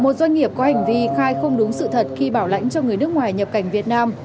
một doanh nghiệp có hành vi khai không đúng sự thật khi bảo lãnh cho người nước ngoài nhập cảnh việt nam